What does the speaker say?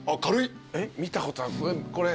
見たことあるこれ。